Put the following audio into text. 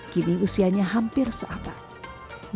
kini usianya hampir seabad